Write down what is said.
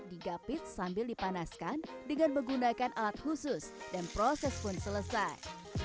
didapit sambil dipanaskan dengan menggunakan alat khusus dan proses pun selesai